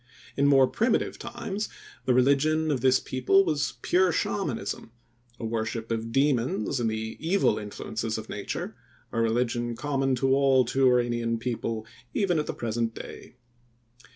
In more primitive times the religion of this people was pure Shamanism, a worship of demons and the evil influences of nature, a religion common to all Turanian people even at the present day.